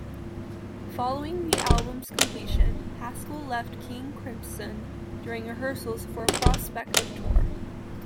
Following the album's completion, Haskell left King Crimson during rehearsals for a prospective tour.